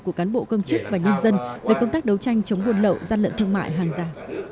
của cán bộ công chức và nhân dân về công tác đấu tranh chống buôn lậu gian lận thương mại hàng giả